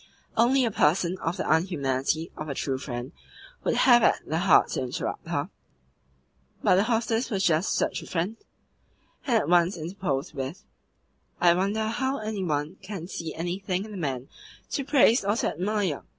Only a person of the unhumanity of a "true friend" would have had the heart to interrupt her; but the hostess was just such a friend, and at once interposed with: "I wonder how any one can see anything in the man to praise or to admire.